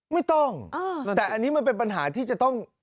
ไม่ต้องแต่อันนี้มันเป็นปัญหาที่จะต้อง